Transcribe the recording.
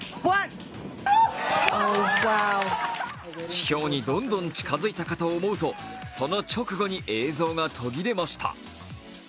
地表にどんどん近づいたかと思う、その直後に映像が途切れました。